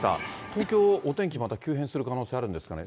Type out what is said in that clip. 東京、お天気また急変する可能性あるんですかね、